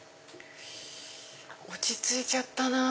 落ち着いちゃったなぁ。